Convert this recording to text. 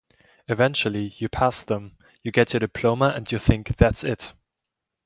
Eventually, you pass them, you get your diploma and you think, that's it!